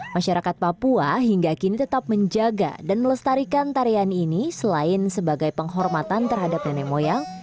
masyarakat papua hingga kini tetap menjaga dan melestarikan tarian ini selain sebagai penghormatan terhadap nenek moyang